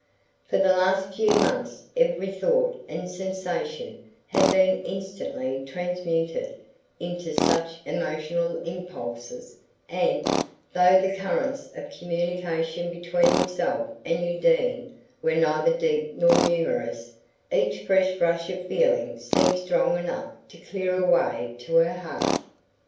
For the last few months every thought and sensation had been instantly transmuted into such emotional impulses and, though the currents of communication between himself and Undine were neither deep nor numerous, each fresh rush of feeling seemed strong enough to clear a way to her heart.